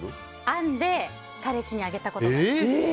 編んで、彼氏にあげたことが。